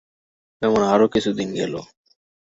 এমন আরো কিছু দিন গেল।